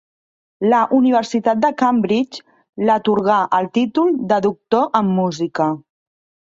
La Universitat de Cambridge l'atorgà el títol de doctor en música.